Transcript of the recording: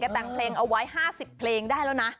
แต่งเพลงเอาไว้๕๐เพลงได้แล้วนะ